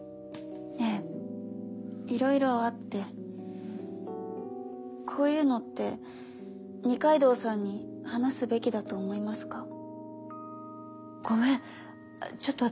ええいろいろあってこういうのって二階堂さんに話すべきごめんちょっと